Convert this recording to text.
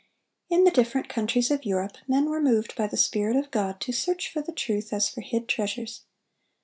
In the different countries of Europe men were moved by the Spirit of God to search for the truth as for hid treasures.